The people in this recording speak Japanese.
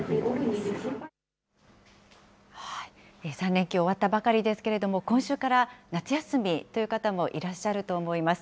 ３連休終わったばかりですけれども、今週から夏休みという方もいらっしゃると思います。